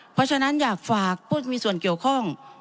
เพราะฉะนั้นอยากฝากผู้ที่มีส่วนเกี่ยวข้อง